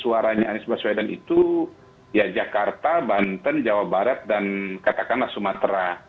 suaranya anies baswedan itu ya jakarta banten jawa barat dan katakanlah sumatera